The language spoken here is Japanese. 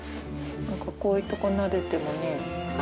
こういうとこなでてもね。